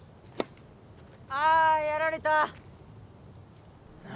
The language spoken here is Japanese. あやられた！も！